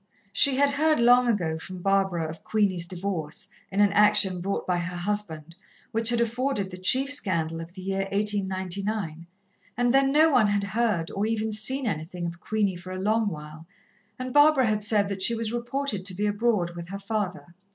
She had heard long ago from Barbara of Queenie's divorce, in an action brought by her husband, which had afforded the chief scandal of the year 1899, and then no one had heard or even seen anything of Queenie for a long while, and Barbara had said that she was reported to be abroad with her father.